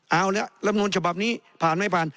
เอาละลำนูลฉบับนี้ผ่านไม่ผ่าน